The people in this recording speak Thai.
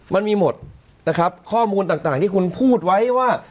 มันมีหมดนะครับข้อมูลต่างที่คุณพูดไว้ว่า